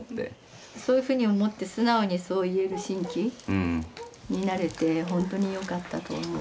そういうふうに思って素直にそう言える真気になれてほんとによかったと思う。